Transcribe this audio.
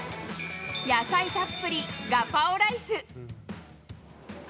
野菜たっぷりガパオライス。